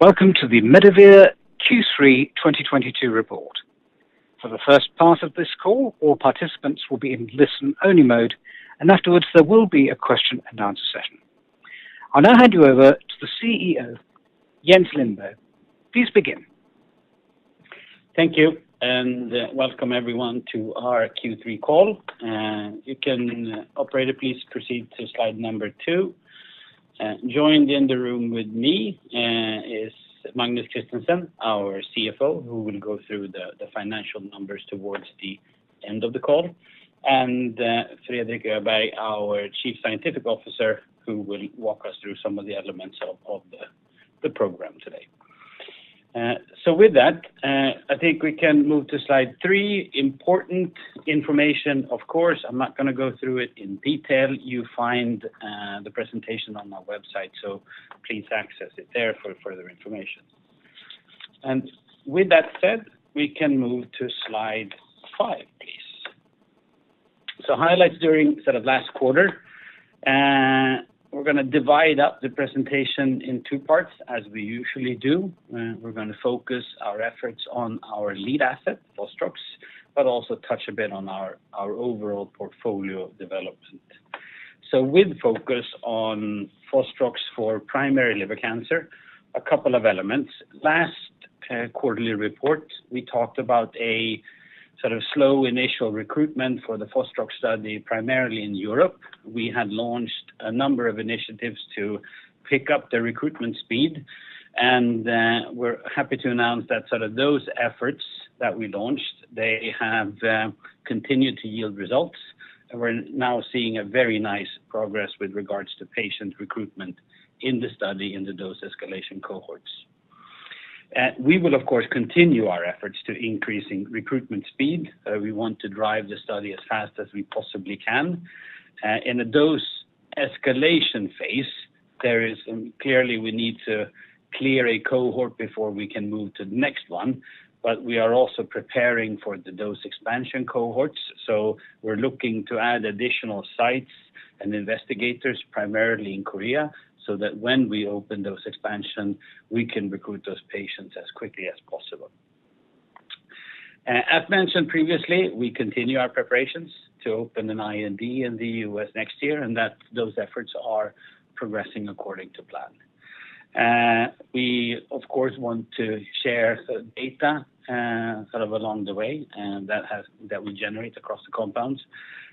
Welcome to the Medivir Q3 2022 report. For the first part of this call, all participants will be in listen-only mode, and afterwards there will be a question and answer session. I'll now hand you over to the CEO, Jens Lindberg. Please begin. Thank you, and welcome everyone to our Q3 call. You can, operator, please proceed to slide two. Joined in the room with me is Magnus Christensen, our CFO, who will go through the financial numbers towards the end of the call, and Fredrik Öberg, our Chief Scientific Officer, who will walk us through some of the elements of the program today. With that, I think we can move to slide three. Important information, of course. I'm not gonna go through it in detail. You find the presentation on our website, so please access it there for further information. With that said, we can move to slide five, please. Highlights during sort of last quarter. We're gonna divide up the presentation in two parts as we usually do. We're gonna focus our efforts on our lead asset, Fostrox, but also touch a bit on our overall portfolio of development. With focus on Fostrox for primary liver cancer, a couple of elements. Last quarterly report, we talked about a sort of slow initial recruitment for the Fostrox study, primarily in Europe. We had launched a number of initiatives to pick up the recruitment speed, and we're happy to announce that sort of those efforts that we launched, they have continued to yield results. We're now seeing a very nice progress with regards to patient recruitment in the study in the dose escalation cohorts. We will of course continue our efforts to increasing recruitment speed. We want to drive the study as fast as we possibly can. In a dose escalation phase, there is. Clearly, we need to clear a cohort before we can move to the next one, but we are also preparing for the dose expansion cohorts. We're looking to add additional sites and investigators primarily in Korea, so that when we open those expansion, we can recruit those patients as quickly as possible. As mentioned previously, we continue our preparations to open an IND in the U.S. next year, and those efforts are progressing according to plan. We of course want to share the data, sort of along the way, and that we generate across the compounds.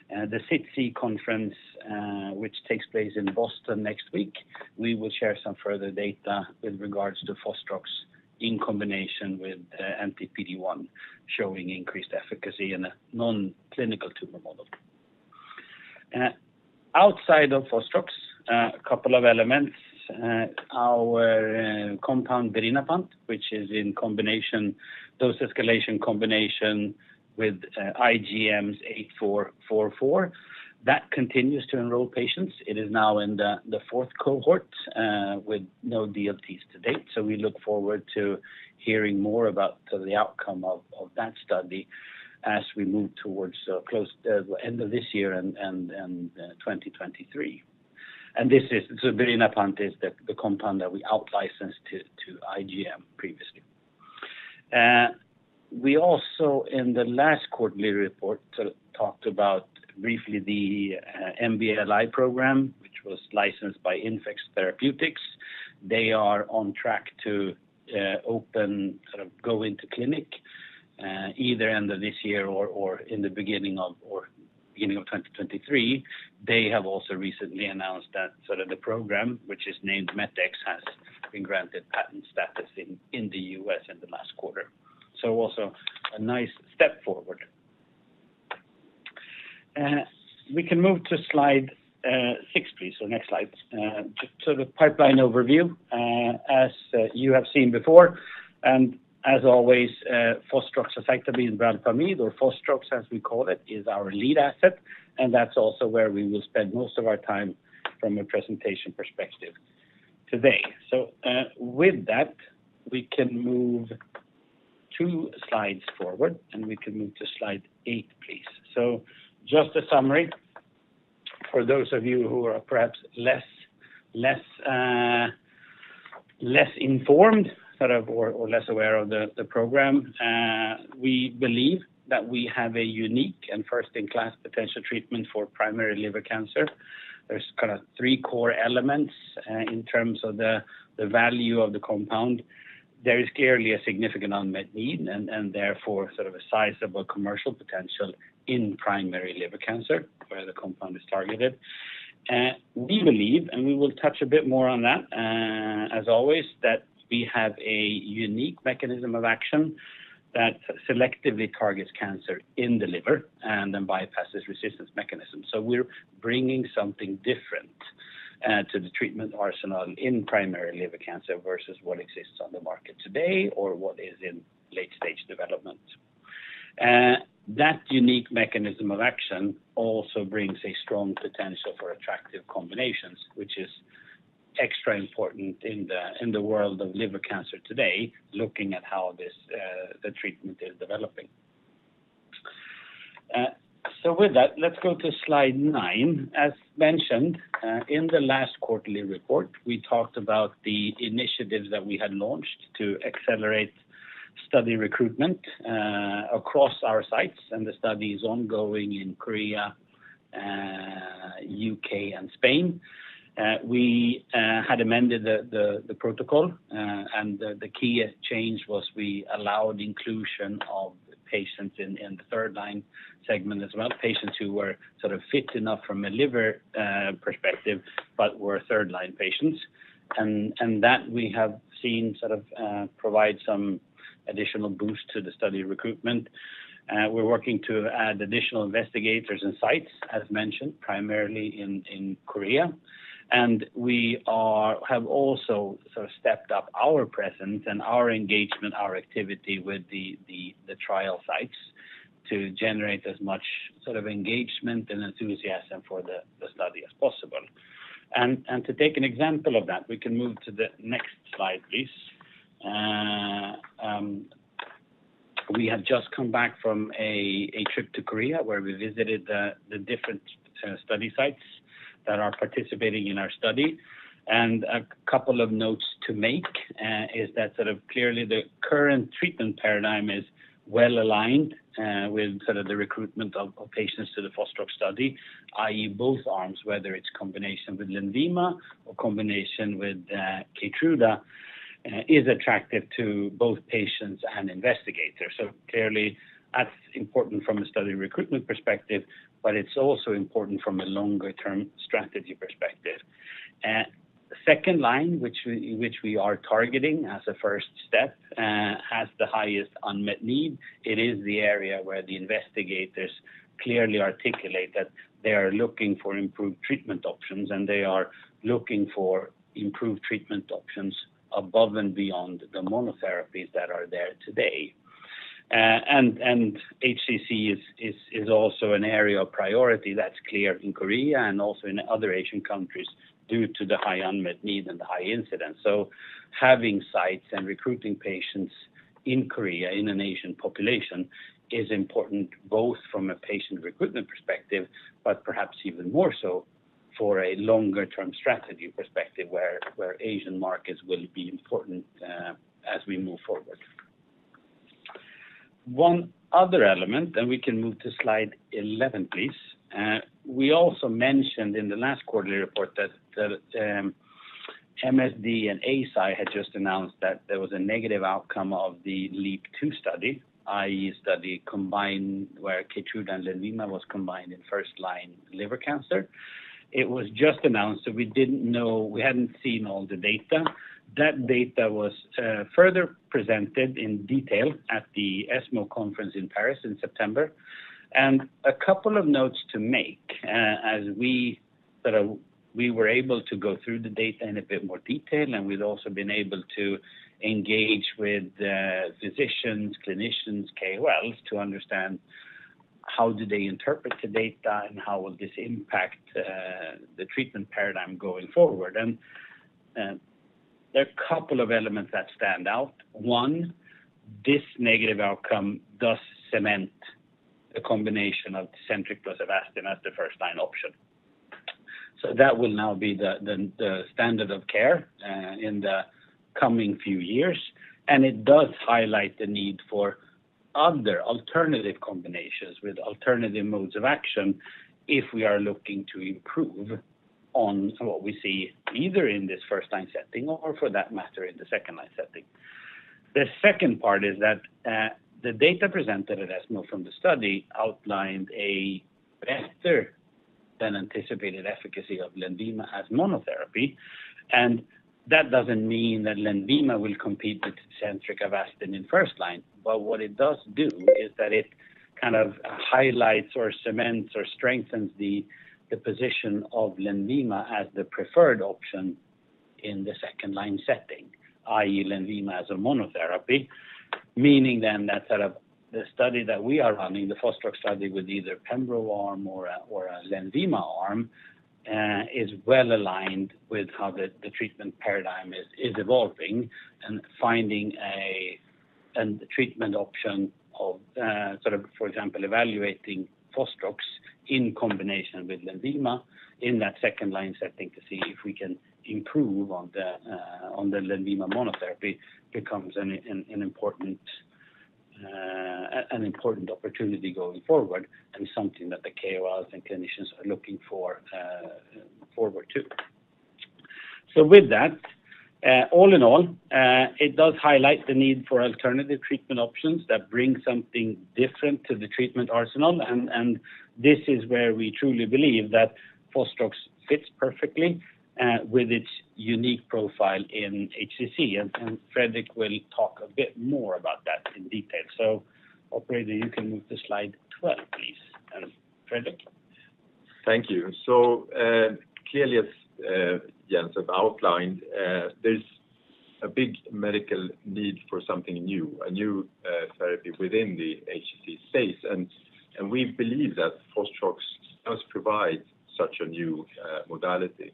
The SITC conference, which takes place in Boston next week, we will share some further data with regards to Fostrox in combination with PD-1, showing increased efficacy in a non-clinical tumor model. Outside of Fostrox, couple of elements. Our compound birinapant, which is in combination, dose escalation combination with IGM-8444, that continues to enroll patients. It is now in the fourth cohort with no DLTs to date. We look forward to hearing more about the outcome of that study as we move towards close to end of this year and 2023. Birinapant is the compound that we out-licensed to IGM previously. We also in the last quarterly report sort of talked about briefly the MBLI program, which was licensed by Infex Therapeutics. They are on track to go into clinic either end of this year or in the beginning of 2023. They have also recently announced that sort of the program, which is named MET-X, has been granted patent status in the U.S. in the last quarter. Also a nice step forward. We can move to slide six, please. Next slide. Just sort of pipeline overview. As you have seen before, and as always, fostroxacitabine bralpamide or Fostrox as we call it, is our lead asset, and that's also where we will spend most of our time from a presentation perspective today. With that, we can move two slides forward, and we can move to slide eight, please. Just a summary for those of you who are perhaps less informed sort of, or less aware of the program. We believe that we have a unique and first-in-class potential treatment for primary liver cancer. There's kind of three core elements in terms of the value of the compound. There is clearly a significant unmet need and therefore sort of a sizable commercial potential in primary liver cancer where the compound is targeted. We believe, and we will touch a bit more on that, as always, that we have a unique mechanism of action that selectively targets cancer in the liver and then bypasses resistance mechanisms. We're bringing something different to the treatment arsenal in primary liver cancer versus what exists on the market today or what is in late-stage development. That unique mechanism of action also brings a strong potential for attractive combinations, which is extra important in the world of liver cancer today, looking at how the treatment is developing. With that, let's go to slide nine. As mentioned, in the last quarterly report, we talked about the initiatives that we had launched to accelerate study recruitment, across our sites, and the study is ongoing in Korea, U.K., and Spain. We had amended the protocol, and the key change was we allowed inclusion of patients in the third line segment as well, patients who were sort of fit enough from a liver perspective, but were third line patients. That we have seen sort of provide some additional boost to the study recruitment. We're working to add additional investigators and sites, as mentioned, primarily in Korea. We have also sort of stepped up our presence and our engagement, our activity with the trial sites to generate as much sort of engagement and enthusiasm for the study as possible. To take an example of that, we can move to the next slide, please. We have just come back from a trip to Korea where we visited the different study sites that are participating in our study. A couple of notes to make is that sort of clearly the current treatment paradigm is well aligned with sort of the recruitment of patients to the Fostrox study, i.e., both arms, whether it's combination with Lenvima or combination with Keytruda, is attractive to both patients and investigators. Clearly that's important from a study recruitment perspective, but it's also important from a longer term strategy perspective. Second line which we are targeting as a first step has the highest unmet need. It is the area where the investigators clearly articulate that they are looking for improved treatment options, and they are looking for improved treatment options above and beyond the monotherapies that are there today. HCC is also an area of priority that's clear in Korea and also in other Asian countries due to the high unmet need and the high incidence. Having sites and recruiting patients in Korea, in an Asian population is important both from a patient recruitment perspective, but perhaps even more so for a longer term strategy perspective where Asian markets will be important as we move forward. One other element, then we can move to slide 11, please. We also mentioned in the last quarterly report that the MSD and Eisai had just announced that there was a negative outcome of the LEAP-002 study, i.e. study combined where Keytruda and Lenvima was combined in first line liver cancer. It was just announced, so we didn't know. We hadn't seen all the data. That data was further presented in detail at the ESMO conference in Paris in September. A couple of notes to make. We were able to go through the data in a bit more detail, and we've also been able to engage with physicians, clinicians, KOLs to understand how do they interpret the data and how will this impact the treatment paradigm going forward. There are a couple of elements that stand out. One, this negative outcome does cement the combination of Tecentriq plus Avastin as the first line option. That will now be the standard of care in the coming few years. It does highlight the need for other alternative combinations with alternative modes of action if we are looking to improve on sort of what we see either in this first line setting or for that matter in the second line setting. The second part is that the data presented at ESMO from the study outlined a better than anticipated efficacy of Lenvima as monotherapy. That doesn't mean that Lenvima will compete with Tecentriq Avastin in first line. What it does do is that it kind of highlights or cements or strengthens the position of Lenvima as the preferred option in the second line setting, i.e., Lenvima as a monotherapy. Meaning that sort of the study that we are running, the Fostrox study with either pembro arm or a Lenvima arm, is well aligned with how the treatment paradigm is evolving and finding a treatment option of sort of for example evaluating Fostrox in combination with Lenvima in that second line setting to see if we can improve on the Lenvima monotherapy becomes an important opportunity going forward and something that the KOLs and clinicians are looking forward to. With that, all in all, it does highlight the need for alternative treatment options that bring something different to the treatment arsenal. This is where we truly believe that Fostrox fits perfectly with its unique profile in HCC. Fredrik will talk a bit more about that in detail. Operator, you can move to slide 12 please. Fredrik. Thank you. Clearly as Jens have outlined, there's a big medical need for something new, a new therapy within the HCC space. We believe that Fostrox does provide such a new modality.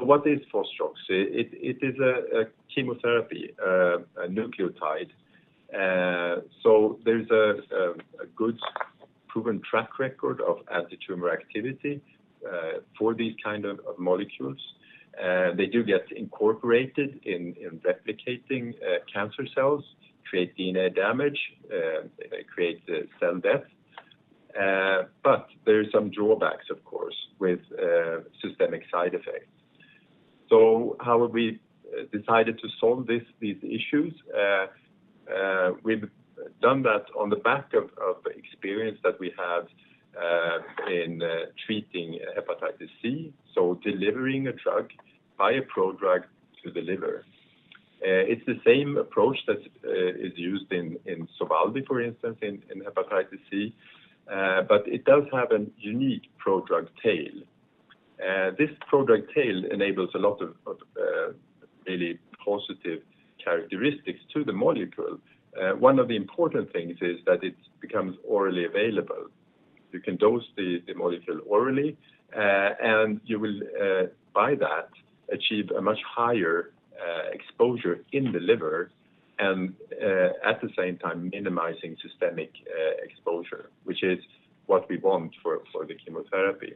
What is Fostrox? It is a chemotherapy, a nucleotide. There's a good proven track record of anti-tumor activity for these kind of molecules. They do get incorporated in replicating cancer cells to create DNA damage, they create the cell death. But there is some drawbacks of course with systemic side effects. How have we decided to solve these issues? We've done that on the back of experience that we have in treating hepatitis C, so delivering a drug by a prodrug to the liver. It's the same approach that is used in Sovaldi, for instance in hepatitis C, but it does have a unique prodrug tail. This prodrug tail enables a lot of really positive characteristics to the molecule. One of the important things is that it becomes orally available. You can dose the molecule orally, and you will by that achieve a much higher exposure in the liver and at the same time minimizing systemic exposure, which is what we want for the chemotherapy.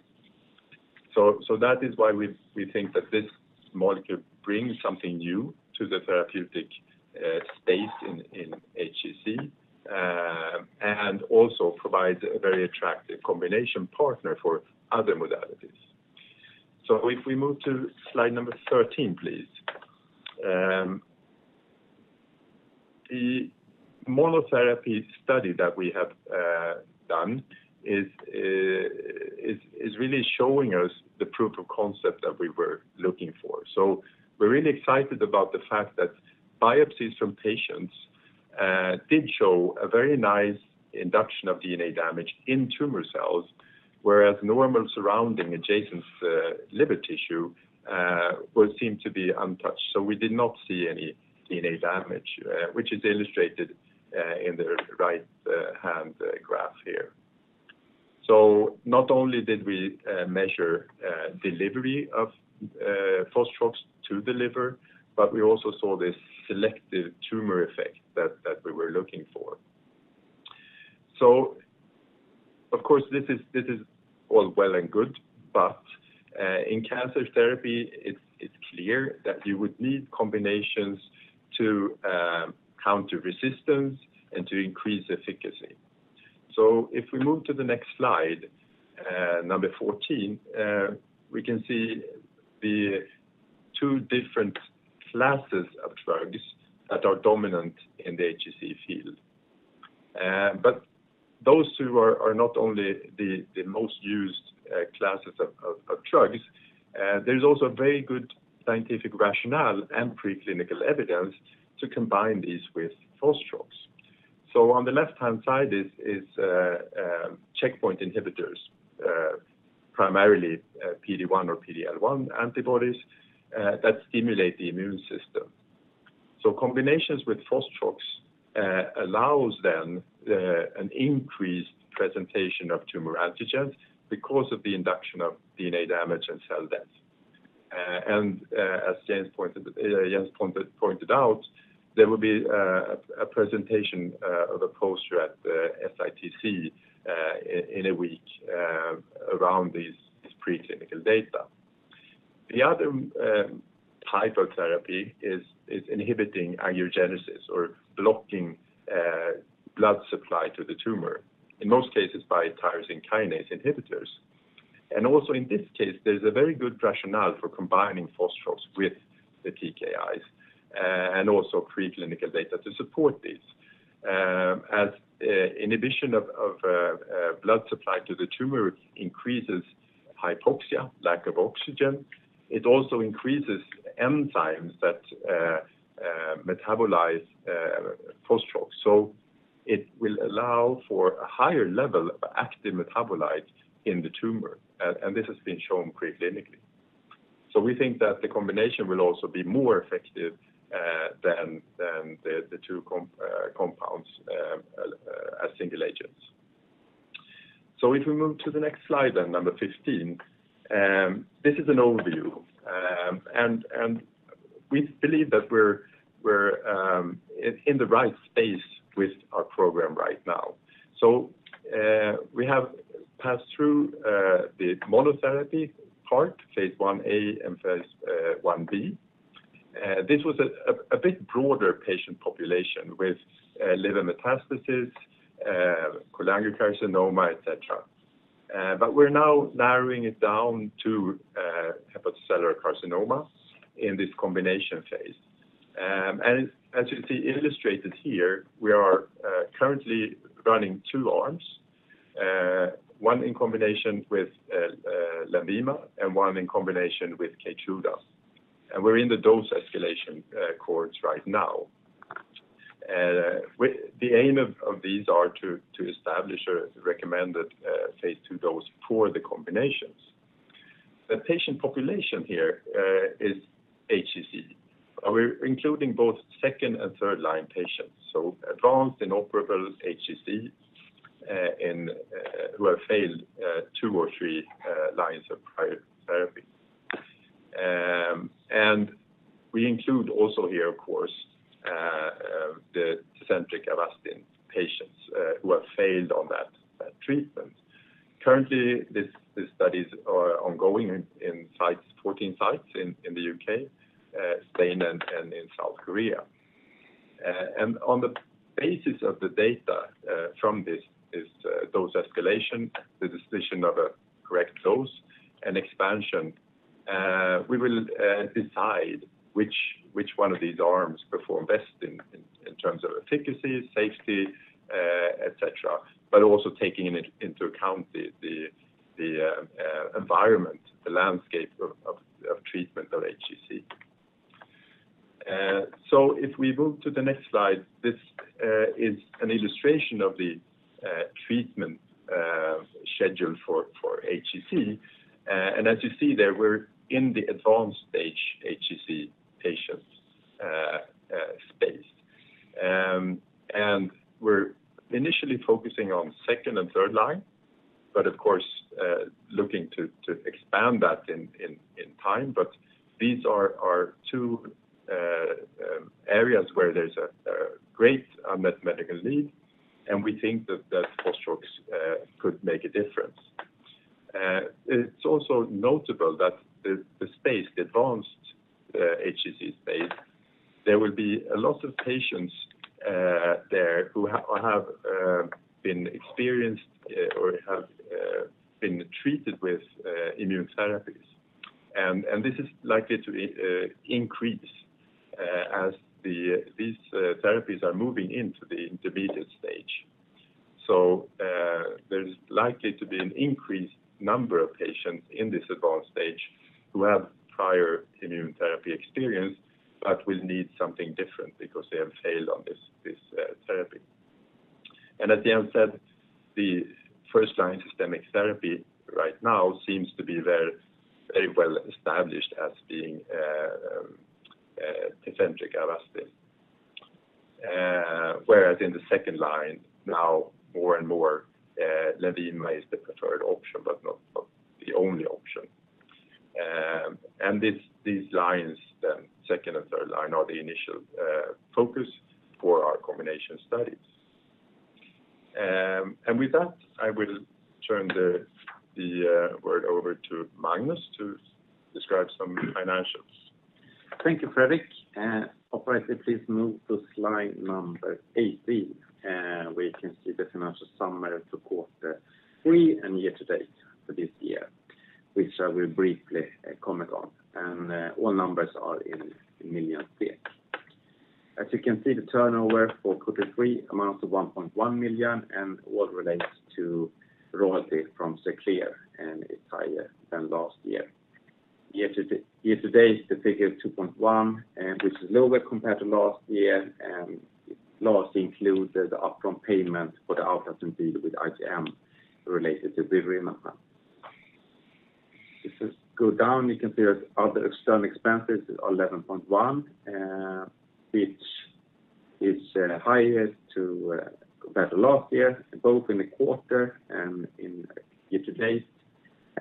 That is why we think that this molecule brings something new to the therapeutic space in HCC, and also provides a very attractive combination partner for other modalities. If we move to slide number 13 please. The monotherapy study that we have done is really showing us the proof of concept that we were looking for. We're really excited about the fact that biopsies from patients did show a very nice induction of DNA damage in tumor cells, whereas normal surrounding adjacent liver tissue was seen to be untouched. We did not see any DNA damage, which is illustrated in the right hand graph here. Not only did we measure delivery of Fostrox to the liver, but we also saw this selective tumor effect that we were looking for. Of course this is all well and good, but in cancer therapy it's clear that you would need combinations to counter resistance and to increase efficacy. If we move to the next slide, number 14, we can see the two different classes of drugs that are dominant in the HCC field. Those two are not only the most used classes of drugs, there's also very good scientific rationale and pre-clinical evidence to combine these with Fostrox. On the left-hand side is checkpoint inhibitors, primarily PD-1 or PD-L1 antibodies, that stimulate the immune system. Combinations with Fostrox allows then an increased presentation of tumor antigens because of the induction of DNA damage and cell death. As Jens pointed out, there will be a presentation of a poster at SITC in a week around this pre-clinical data. The other type of therapy is inhibiting angiogenesis or blocking blood supply to the tumor, in most cases by tyrosine kinase inhibitors. Also in this case there's a very good rationale for combining Fostrox with the TKIs and also preclinical data to support this. As inhibition of blood supply to the tumor increases hypoxia, lack of oxygen, it also increases enzymes that metabolize Fostrox. It will allow for a higher level of active metabolite in the tumor. This has been shown preclinically. We think that the combination will also be more effective than the two compounds as single agents. If we move to the next slide then, number 15, this is an overview. We believe that we're in the right space with our program right now. We have passed through the monotherapy part, phase I-A and phase I-B. This was a bit broader patient population with liver metastasis, cholangiocarcinoma, et cetera. We're now narrowing it down to hepatocellular carcinoma in this combination phase. As you see illustrated here, we are currently running two arms, one in combination with Lenvima and one in combination with Keytruda. We're in the dose escalation cohorts right now. With the aim of these are to establish a recommended phase II dose for the combinations. The patient population here is HCC. We're including both second- and third-line patients, so advanced inoperable HCC, and who have failed two or three lines of prior therapy. We include also here, of course, the Tecentriq/Avastin patients who have failed on that treatment. Currently, this study is ongoing in 14 sites in the U.K., Spain, and South Korea. On the basis of the data from this, it's dose escalation, the decision of a correct dose and expansion, we will decide which one of these arms perform best in terms of efficacy, safety, et cetera. Also taking into account the environment, the landscape of treatment of HCC. If we move to the next slide, this is an illustration of the treatment schedule for HCC. As you see there, we're in the advanced stage HCC patients space. We're initially focusing on second and third line, but of course, looking to expand that in time. These are two areas where there's a great unmet medical need, and we think that Fostrox could make a difference. It's also notable that the space, the advanced HCC space, there will be a lot of patients there who have been experienced or have been treated with immune therapies. This is likely to increase as these therapies are moving into the intermediate stage. There's likely to be an increased number of patients in this advanced stage who have prior immune therapy experience, but will need something different because they have failed on this therapy. At the onset, the first-line systemic therapy right now seems to be very well established as being Tecentriq/Avastin. Whereas in the second line now more and more Lenvima is the preferred option, but not the only option. These lines then, second and third line, are the initial focus for our combination studies. With that, I will turn the word over to Magnus to describe some financials. Thank you, Fredrik. Operator, please move to slide number 18. Where you can see the financial summary for quarter three and year to date for this year, which I will briefly comment on. All numbers are in million SEK. As you can see, the turnover for quarter three amounts to 1.1 million and all relates to royalty from Xerclear, and it's higher than last year. Year to date, the figure is 2.1 million, which is lower compared to last year, and last included the upfront payment for the out-licensing deal with IGM related to birinapant. If you go down, you can see our other external expenses is 11.1, which is highest to date compared to last year, both in the quarter and in year to date,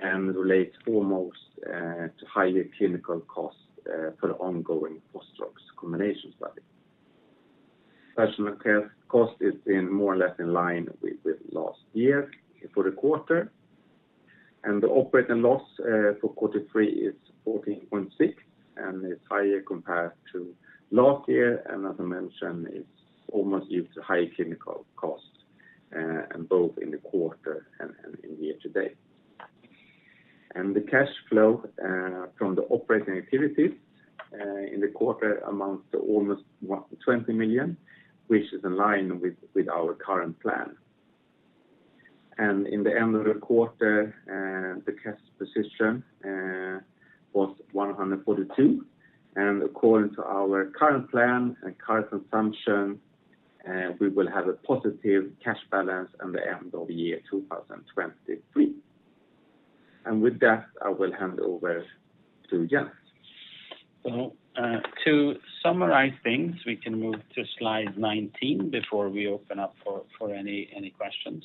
and relates foremost to higher clinical costs for the ongoing Fostrox combination study. Personnel costs is in more or less in line with last year for the quarter. The operating loss for quarter three is 14.6, and it's higher compared to last year. As I mentioned, it's mainly due to high clinical costs, and both in the quarter and in year to date. The cash flow from the operating activities in the quarter amounts to almost 120 million, which is in line with our current plan. In the end of the quarter, the cash position was 142. According to our current plan and current consumption, we will have a positive cash balance in the end of 2023. With that, I will hand over to Jens. To summarize things, we can move to slide 19 before we open up for any questions.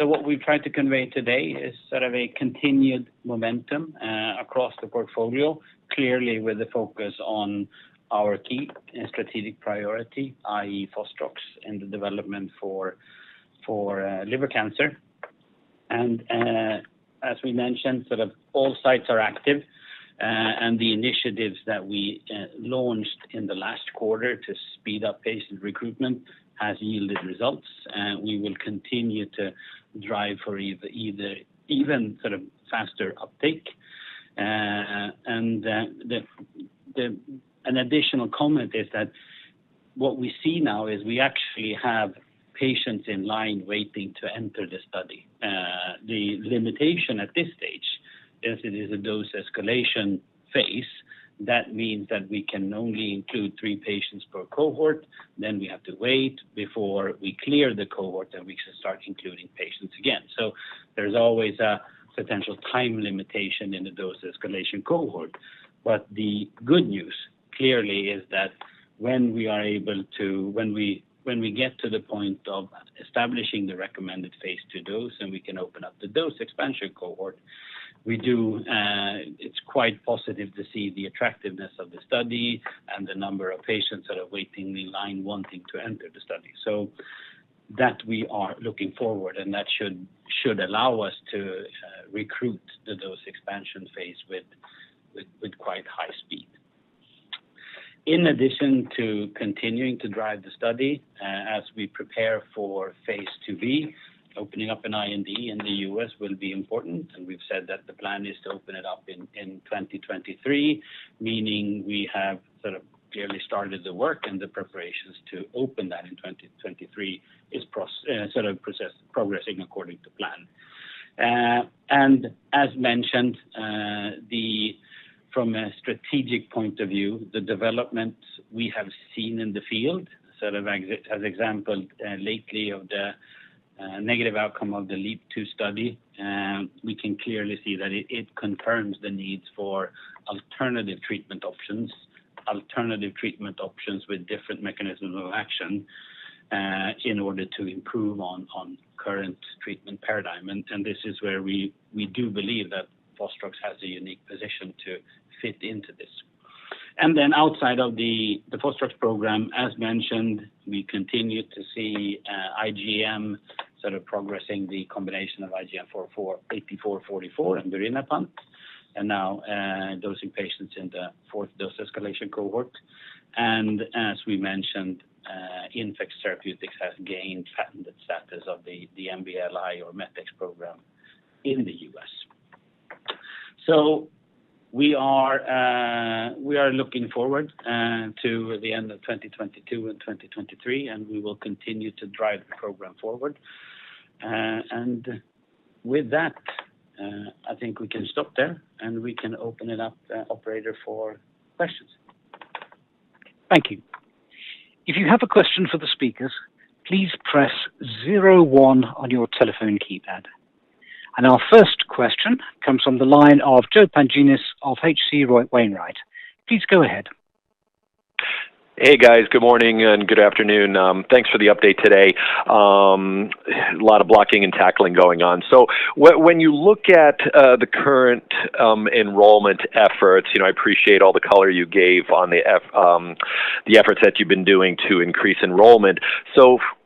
What we've tried to convey today is sort of a continued momentum across the portfolio, clearly with a focus on our key and strategic priority, i.e., Fostrox and the development for liver cancer. As we mentioned, sort of all sites are active, and the initiatives that we launched in the last quarter to speed up patient recruitment has yielded results. We will continue to drive for either even sort of faster uptake. An additional comment is that what we see now is we actually have patients in line waiting to enter the study. The limitation at this stage is it is a dose escalation phase. That means that we can only include three patients per cohort. We have to wait before we clear the cohort, then we can start including patients again. There's always a potential time limitation in the dose escalation cohort. The good news. Clearly, it is that when we are able to get to the point of establishing the recommended phase II dose, and we can open up the dose expansion cohort, it's quite positive to see the attractiveness of the study and the number of patients that are waiting in line wanting to enter the study. That we are looking forward, and that should allow us to recruit the dose expansion phase with quite high speed. In addition to continuing to drive the study, as we prepare for phase IIb, opening up an IND in the U.S. will be important, and we've said that the plan is to open it up in 2023. Meaning we have clearly started the work and the preparations to open that in 2023 is progressing according to plan. As mentioned, then from a strategic point of view, the developments we have seen in the field, as example, lately of the negative outcome of the LEAP-002 study, we can clearly see that it confirms the needs for alternative treatment options. Alternative treatment options with different mechanisms of action, in order to improve on current treatment paradigm. This is where we do believe that Fostrox has a unique position to fit into this. Then outside of the Fostrox program, as mentioned, we continue to see IGM progressing the combination of IGM-8444 and durvalumab. Now, dosing patients in the fourth dose escalation cohort. As we mentioned, Infex Therapeutics has gained patented status of the MBLI or MET-X program in the US. We are looking forward to the end of 2022 and 2023, and we will continue to drive the program forward. With that, I think we can stop there, and we can open it up, operator for questions. Thank you. If you have a question for the speakers, please press zero one on your telephone keypad. Our first question comes from the line of Joe Pantginis of H.C. Wainwright. Please go ahead. Hey, guys. Good morning and good afternoon. Thanks for the update today. A lot of blocking and tackling going on. When you look at the current enrollment efforts, you know, I appreciate all the color you gave on the efforts that you've been doing to increase enrollment.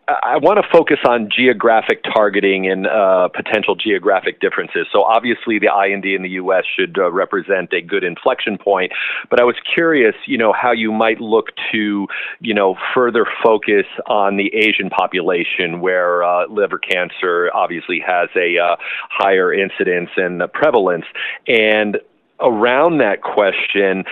I wanna focus on geographic targeting and potential geographic differences. Obviously the IND in the U.S. should represent a good inflection point. I was curious, you know, how you might look to further focus on the Asian population where liver cancer obviously has a higher incidence and prevalence. Around that question,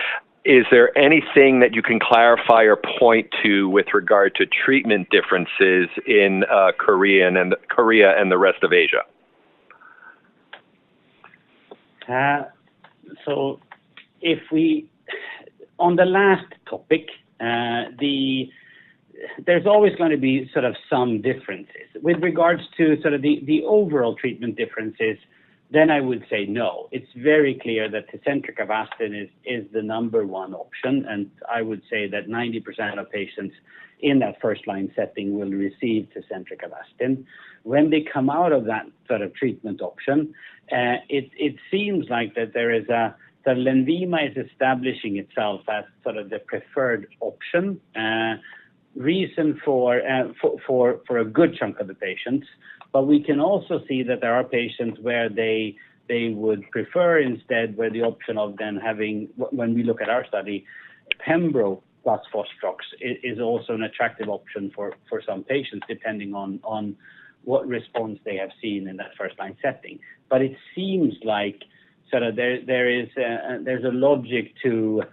is there anything that you can clarify or point to with regard to treatment differences in Korea and the rest of Asia? On the last topic, there's always gonna be sort of some differences. With regards to the overall treatment differences, then I would say no. It's very clear that Tecentriq Avastin is the number one option, and I would say that 90% of patients in that first line setting will receive Tecentriq Avastin. When they come out of that sort of treatment option, it seems like Lenvima is establishing itself as the preferred option for a good chunk of the patients. We can also see that there are patients where they would prefer the option of then having... When we look at our study, pembrolizumab plus Fostrox is also an attractive option for some patients, depending on what response they have seen in that first line setting. It seems like sort of there is a logic to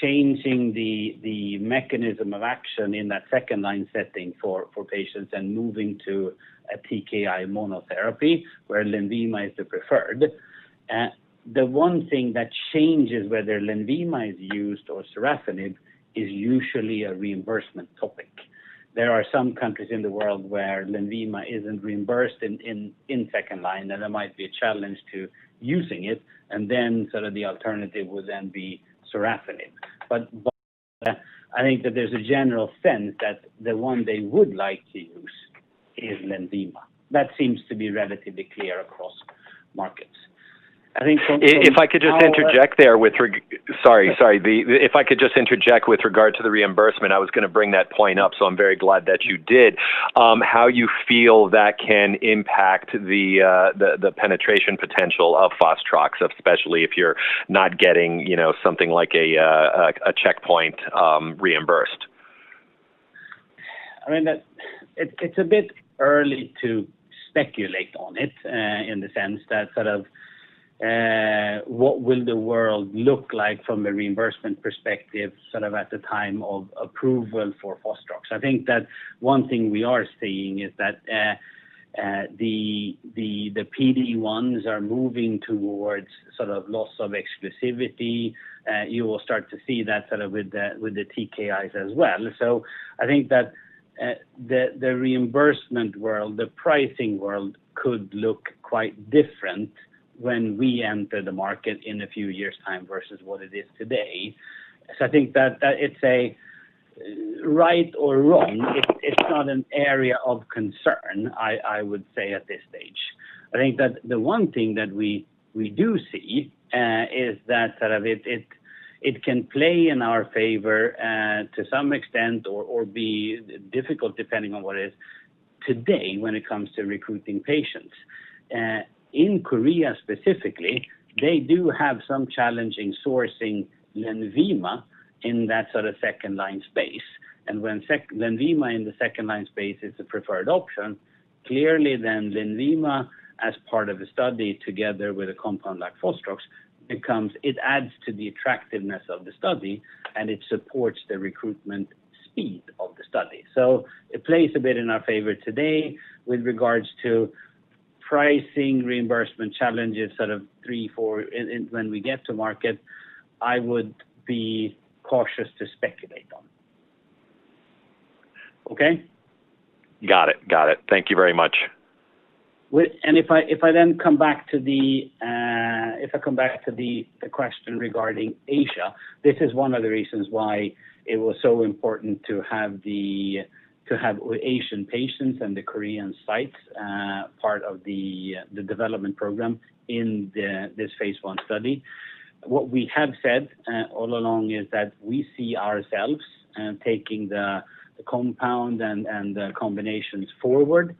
changing the mechanism of action in that second line setting for patients and moving to a TKI monotherapy where Lenvima is the preferred. The one thing that changes whether Lenvima is used or sorafenib is usually a reimbursement topic. There are some countries in the world where Lenvima isn't reimbursed in second line, and there might be a challenge to using it, and then sort of the alternative would then be sorafenib. I think that there's a general sense that the one they would like to use is Lenvima. That seems to be relatively clear across markets. I think from our. Sorry, sorry. If I could just interject with regard to the reimbursement, I was gonna bring that point up, so I'm very glad that you did. How you feel that can impact the penetration potential of Fostrox, especially if you're not getting, you know, something like a checkpoint reimbursed. I mean, it's a bit early to speculate on it, in the sense that sort of, what will the world look like from a reimbursement perspective, sort of at the time of approval for Fostrox? I think that one thing we are seeing is that, the PD-1s are moving towards sort of loss of exclusivity. You will start to see that sort of with the TKIs as well. I think that the reimbursement world, the pricing world could look quite different when we enter the market in a few years' time versus what it is today. I think that it's right or wrong, it's not an area of concern I would say at this stage. I think that the one thing that we do see is that it can play in our favor to some extent or be difficult depending on what it is today when it comes to recruiting patients. In Korea specifically, they do have some challenges sourcing Lenvima in that sort of second-line space. When Lenvima in the second-line space is the preferred option, clearly then Lenvima as part of a study together with a compound like Fostrox adds to the attractiveness of the study and it supports the recruitment speed of the study. It plays a bit in our favor today with regards to pricing and reimbursement challenges sort of three, four. In when we get to market, I would be cautious to speculate on. Okay. Got it. Thank you very much. If I then come back to the question regarding Asia, this is one of the reasons why it was so important to have Asian patients and the Korean sites part of the development program in this phase I study. What we have said all along is that we see ourselves taking the compound and the combinations forward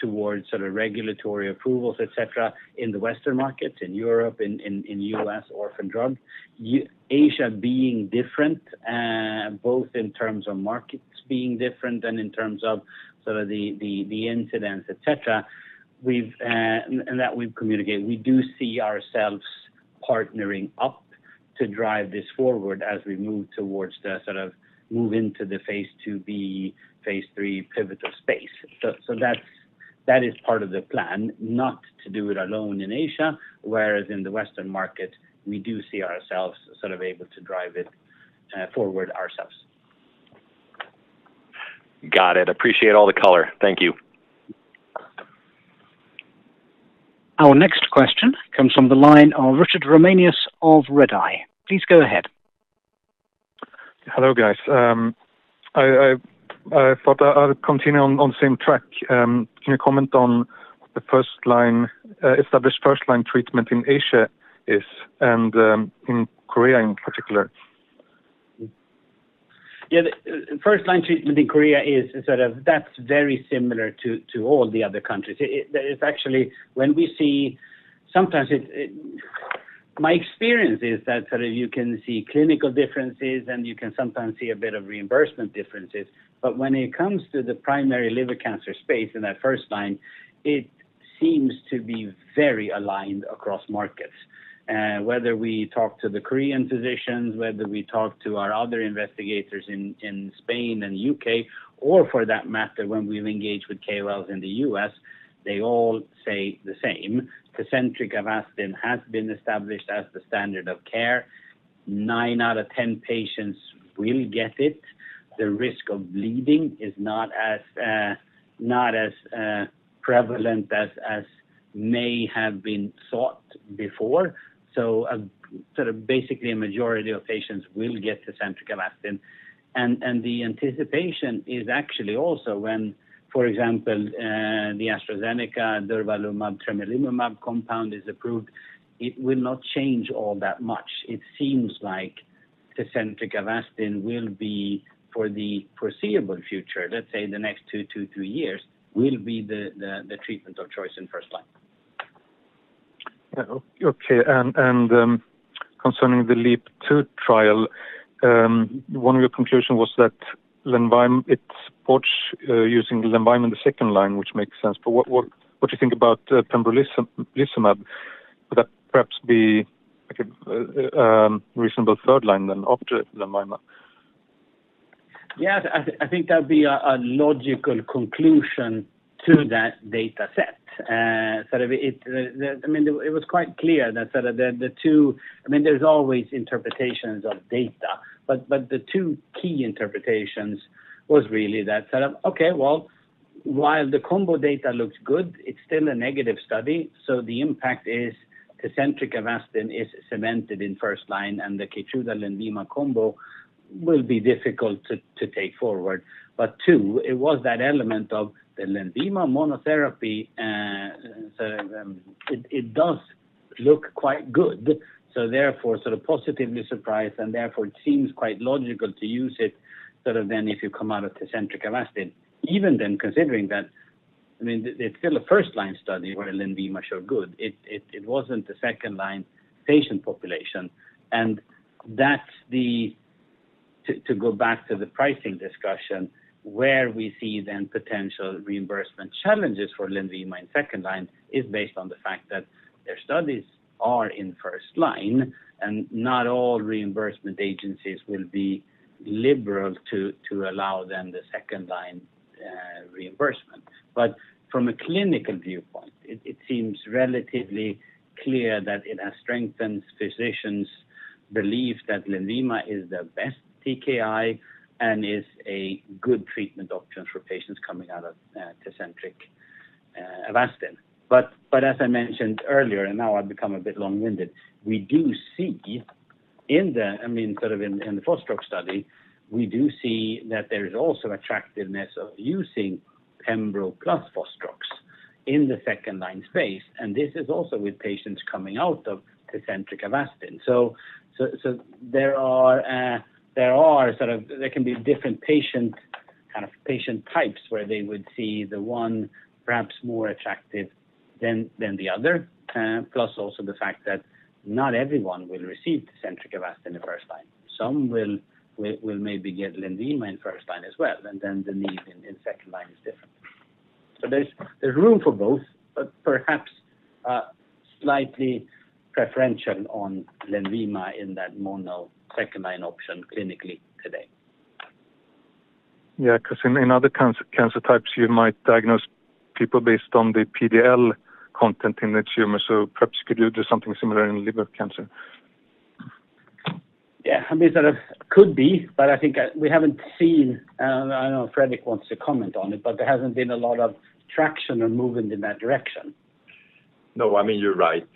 towards sort of regulatory approvals, et cetera, in the Western markets, in Europe, in U.S. orphan drug. Asia being different both in terms of markets being different and in terms of sort of the incidence, et cetera, that we've communicated. We do see ourselves partnering up to drive this forward as we move towards the sort of move into the phase IIb, phase III pivotal space. That is part of the plan, not to do it alone in Asia, whereas in the Western market we do see ourselves sort of able to drive it forward ourselves. Got it. Appreciate all the color. Thank you. Our next question comes from the line of Richard Ramanius of Redeye. Please go ahead. Hello, guys. I thought I would continue on the same track. Can you comment on the first line established first line treatment in Asia and in Korea in particular? Yeah. The first line treatment in Korea is very similar to all the other countries. My experience is that sort of you can see clinical differences and you can sometimes see a bit of reimbursement differences. When it comes to the primary liver cancer space in that first line, it seems to be very aligned across markets. Whether we talk to the Korean physicians, whether we talk to our other investigators in Spain and U.K. or for that matter when we've engaged with KOLs in the U.S., they all say the same. Tecentriq Avastin has been established as the standard of care. Nine out of ten patients will get it. The risk of bleeding is not as prevalent as may have been thought before. A sort of basically a majority of patients will get Tecentriq Avastin. The anticipation is actually also when, for example, the AstraZeneca durvalumab, tremelimumab compound is approved, it will not change all that much. It seems like Tecentriq Avastin will be for the foreseeable future, let's say the next two to three years, will be the treatment of choice in first line. Okay, concerning the LEAP-002 trial, one of your conclusions was that Lenvima it supports using Lenvima in the second line, which makes sense. What do you think about pembrolizumab? Would that perhaps be like a reasonable third line then after Lenvima? Yeah. I think that'd be a logical conclusion to that data set. I mean, it was quite clear that sort of the two key interpretations was really that sort of, okay, well, while the combo data looks good, it's still a negative study, so the impact is Tecentriq Avastin is cemented in first line, and the Keytruda Lenvima combo will be difficult to take forward. But two, it was that element of the Lenvima monotherapy. It does look quite good, so therefore sort of positively surprised and therefore it seems quite logical to use it sort of then if you come out of Tecentriq Avastin. Even then considering that, I mean, it's still a first line study where Lenvima showed good. It wasn't a second-line patient population. To go back to the pricing discussion, where we see then potential reimbursement challenges for Lenvima in second line is based on the fact that their studies are in first-line and not all reimbursement agencies will be liberal to allow then the second-line reimbursement. From a clinical viewpoint, it seems relatively clear that it has strengthened physicians' belief that Lenvima is the best TKI and is a good treatment option for patients coming out of Tecentriq, Avastin. As I mentioned earlier, and now I've become a bit long-winded, we do see I mean, sort of in the Fostrox study, we do see that there is also attractiveness of using pembrolizumab plus Fostrox in the second-line space, and this is also with patients coming out of Tecentriq Avastin. There can be different patient, kind of patient types where they would see the one perhaps more attractive than the other. Plus also the fact that not everyone will receive Tecentriq Avastin the first line. Some will maybe get Lenvima in first line as well, and then the need in second line is different. So there's room for both, but perhaps slightly preferential on Lenvima in that mono second-line option clinically today. Yeah, 'cause in other cancer types you might diagnose people based on the PD-L1 content in the tumor, so perhaps could you do something similar in liver cancer? Yeah. I mean, sort of could be, but I think we haven't seen, I don't know if Fredrik wants to comment on it, but there hasn't been a lot of traction or movement in that direction. No, I mean, you're right.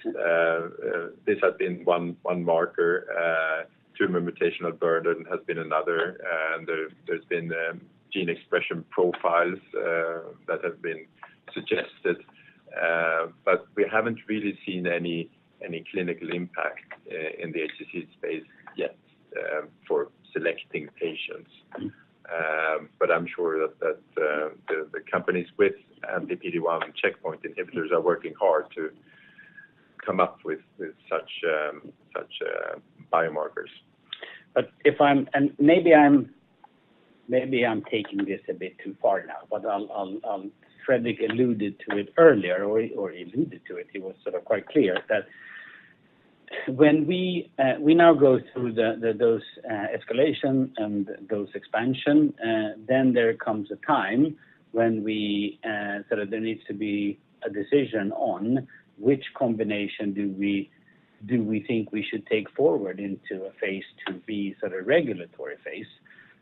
This has been one marker. Tumor mutational burden has been another. There's been gene expression profiles that have been suggested. We haven't really seen any clinical impact in the HCC space yet for selecting patients. I'm sure that the companies with the PD-1 checkpoint inhibitors are working hard to come up with such biomarkers. Maybe I'm taking this a bit too far now, but I'll Fredrik alluded to it earlier, or he alluded to it. He was sort of quite clear that when we now go through those escalation and those expansion, then there comes a time when we sort of there needs to be a decision on which combination do we think we should take forward into a phase IIb sort of regulatory phase.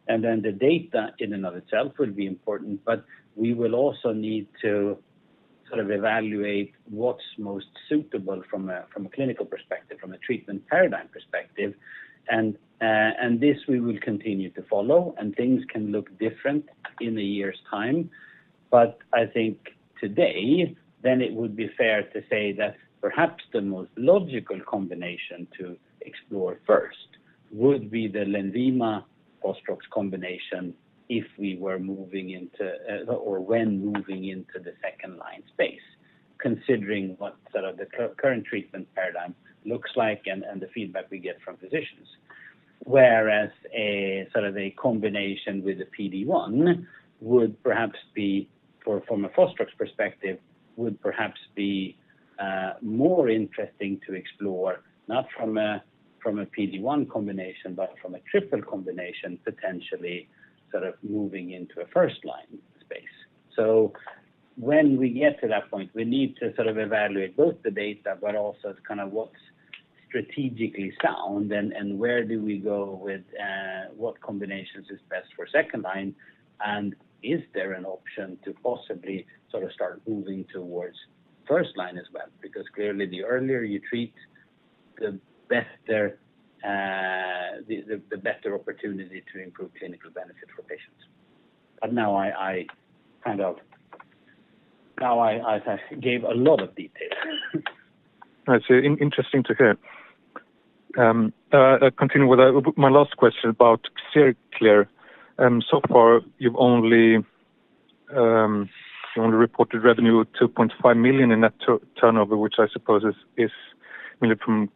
Then the data in and of itself will be important, but we will also need to sort of evaluate what's most suitable from a clinical perspective, from a treatment paradigm perspective. This we will continue to follow, and things can look different in a year's time. I think today, then it would be fair to say that perhaps the most logical combination to explore first would be the Lenvima Fostrox combination if we were moving into, or when moving into the second line space, considering what sort of the current treatment paradigm looks like and the feedback we get from physicians. Whereas a sort of a combination with a PD-1 would perhaps be, from a Fostrox perspective, more interesting to explore not from a PD-1 combination, but from a triple combination, potentially sort of moving into a first line space. When we get to that point, we need to sort of evaluate both the data, but also it's kinda what's strategically sound and where do we go with what combinations is best for second line, and is there an option to possibly sort of start moving towards first line as well? Because clearly the earlier you treat, the better, the better opportunity to improve clinical benefit for patients. But now I gave a lot of details. That's interesting to hear. Continuing with my last question about Xerclear. So far you've only reported revenue 2.5 million in net turnover, which I suppose is mainly from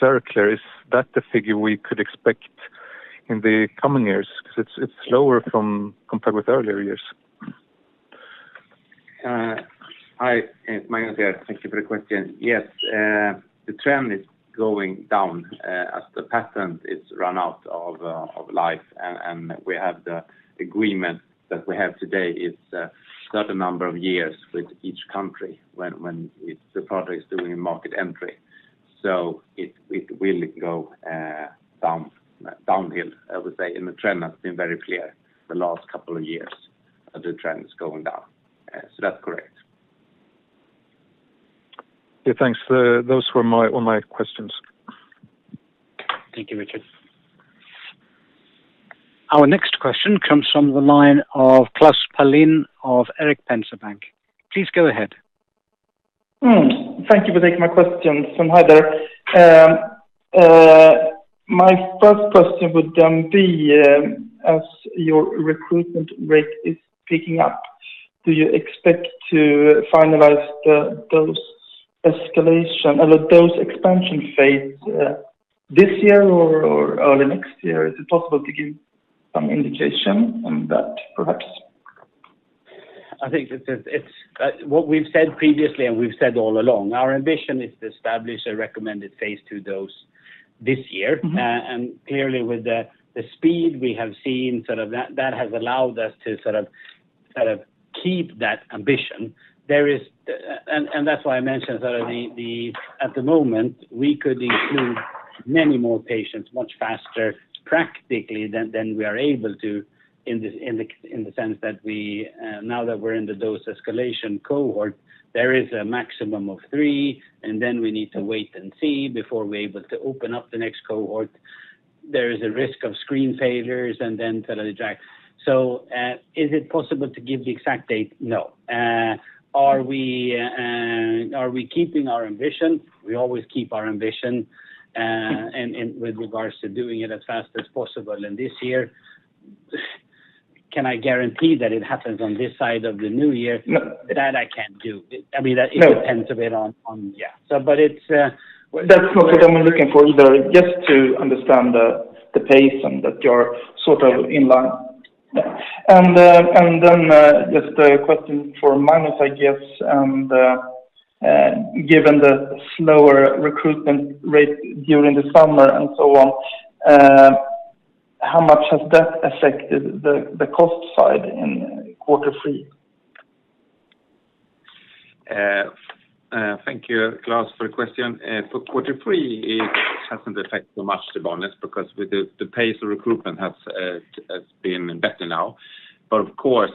Xerclear. Is that the figure we could expect in the coming years? 'Cause it's lower than compared with earlier years. Hi, it's Magnus here. Thank you for the question. Yes, the trend is going down, as the patent is run out of life. We have the agreement that we have today is a certain number of years with each country when the product is doing a market entry. It will go down, downhill, I would say, and the trend has been very clear the last couple of years, the trend is going down. That's correct. Yeah. Thanks. Those were all my questions. Thank you, Richard. Our next question comes from the line of Klas Palin of Erik Penser Bank. Please go ahead. Thank you for taking my questions. Hi there. My first question would be, as your recruitment rate is picking up, do you expect to finalize the dose escalation or the dose expansion phase this year or early next year? Is it possible to give some indication on that perhaps? I think it's what we've said previously, and we've said all along, our ambition is to establish a recommended phase II dose this year. Clearly with the speed we have seen, sort of that has allowed us to sort of keep that ambition. That's why I mentioned sort of the at the moment we could include many more patients much faster practically than we are able to in the sense that we now that we're in the dose escalation cohort, there is a maximum of three, and then we need to wait and see before we're able to open up the next cohort. There is a risk of screen failures and then sort of the drag. Is it possible to give the exact date? No. Are we keeping our ambition? We always keep our ambition in with regards to doing it as fast as possible. This year, can I guarantee that it happens on this side of the new year? No. That I can't do. I mean, No. It depends a bit on yeah. But it's Well, that's not what I'm looking for either. Just to understand the pace and that you're sort of in line. Yeah. just a question for Magnus, I guess. Given the slower recruitment rate during the summer and so on, how much has that affected the cost side in quarter three? Thank you Klas for the question. For quarter three, it hasn't affected so much to be honest because the pace of recruitment has been better now. Of course,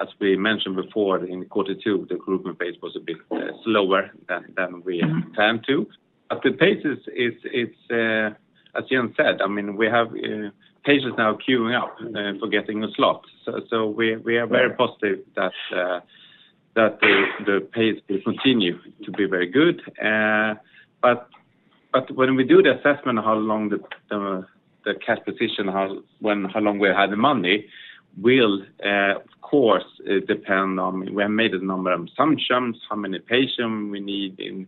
as we mentioned before in quarter two, the recruitment pace was a bit slower than we planned to. The pace is, it's as Jens said, I mean, we have patients now queuing up for getting a slot. We are very positive that the pace will continue to be very good. When we do the assessment, how long the cash position, how long we have the money will, of course, depend on we have made a number of assumptions, how many patient we need in,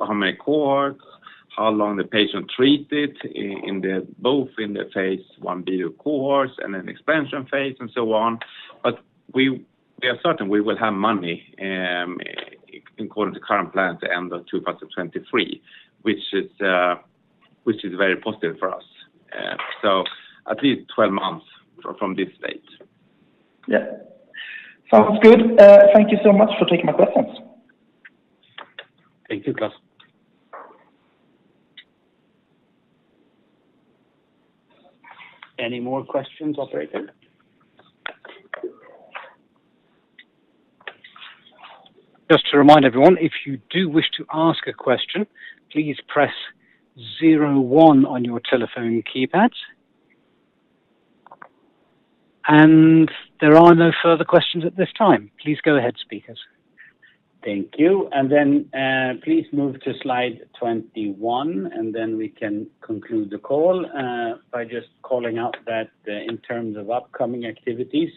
how many cohorts, how long the patient treated in the both in the phase Ib of cohorts and an expansion phase and so on. We are certain we will have money according to current plan at the end of 2023, which is very positive for us. At least 12 months from this date. Yeah. Sounds good. Thank you so much for taking my questions. Thank you, Klas. Any more questions, operator? Just to remind everyone, if you do wish to ask a question, please press zero one on your telephone keypad. There are no further questions at this time. Please go ahead, speakers. Thank you. Please move to slide 21, and then we can conclude the call by just calling out that in terms of upcoming activities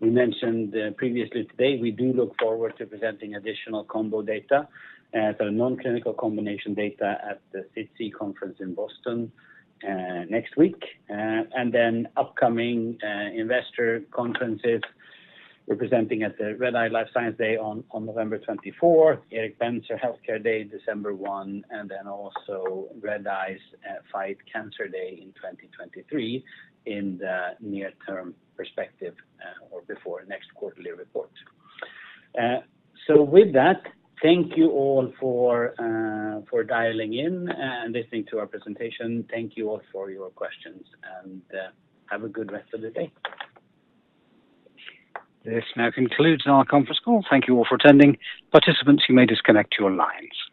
we mentioned previously today, we do look forward to presenting additional combo data, the non-clinical combination data at the SITC conference in Boston next week. Upcoming investor conferences. We're presenting at the Redeye Life Science day on November 24, Erik Penser Healthcare Day, December 1, and then also Redeye's Fight Cancer Day in 2023 in the near-term perspective, or before next quarterly report. With that, thank you all for dialing in and listening to our presentation. Thank you all for your questions and have a good rest of the day. This now concludes our conference call. Thank you all for attending. Participants, you may disconnect your lines.